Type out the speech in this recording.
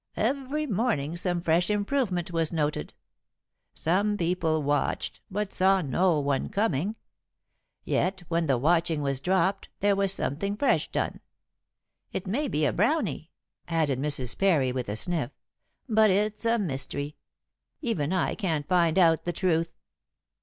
Every morning some fresh improvement was noted. Some people watched, but saw no one coming. Yet when the watching was dropped there was something fresh done. It may be a brownie," added Mrs. Parry, with a sniff, "but it's a mystery. Even I can't find out the truth."